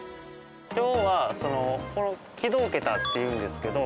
今日は軌道桁っていうんですけど。